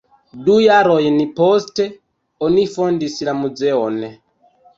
Du jarojn poste oni fondis la muzeon.